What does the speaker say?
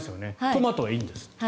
トマトはいいんですって。